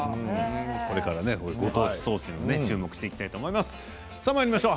これからもご当地ソースに注目していきたいと思います。